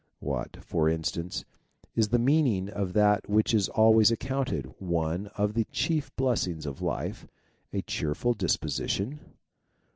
What, for instance, is the meaning of that which is always accounted one of the chief blessings of life, a cheerful disposition